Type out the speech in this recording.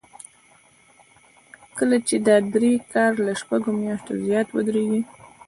کله چې د ادارې کار له شپږو میاشتو زیات ودریږي.